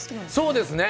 そうですね。